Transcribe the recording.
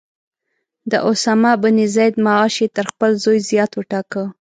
د اسامه بن زید معاش یې تر خپل زوی زیات وټاکه.